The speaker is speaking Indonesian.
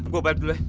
gue balik dulu ya